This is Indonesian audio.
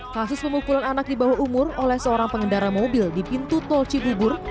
kasus pemukulan anak di bawah umur oleh seorang pengendara mobil di pintu tol cibubur